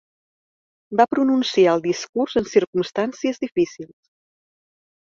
Va pronunciar el discurs en circumstàncies difícils.